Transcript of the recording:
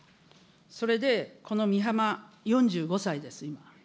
それでこの美浜４５歳です、今。